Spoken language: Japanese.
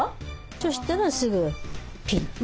そしたらすぐピッと。